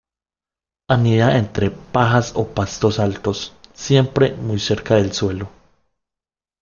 Anida entre pajas o pastos altos, siempre muy cerca del suelo.